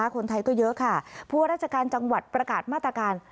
คนไทยก็เยอะค่ะผู้ว่าราชการจังหวัดประกาศมาตรการ